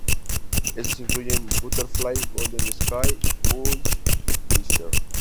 Estos incluyen "Butterfly", "Golden Sky", "Boys", "Mr.